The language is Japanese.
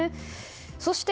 そして、